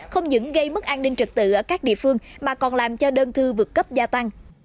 không những gây mất an ninh trật tự ở các địa phương mà còn làm cho đơn thư vượt cấp gia tăng